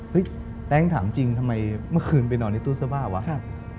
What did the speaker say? แต๊งถามจริงทำไมเมื่อคืนไปนอนในตู้เสื้อผ้าวะ